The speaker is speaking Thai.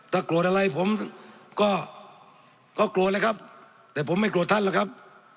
ถ้ากลัวอะไรผมก็ก็กลัวเลยครับแต่ผมไม่กลัวท่านหรอกครับ